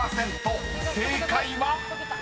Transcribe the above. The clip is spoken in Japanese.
［正解は⁉］